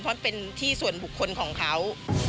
เพราะเป็นที่ส่วนบุคคลของเขา